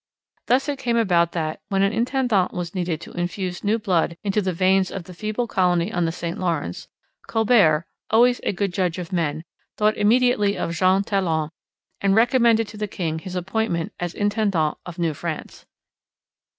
Thus it came about that, when an intendant was needed to infuse new blood into the veins of the feeble colony on the St Lawrence, Colbert, always a good judge of men, thought immediately of Jean Talon and recommended to the king his appointment as intendant of New France.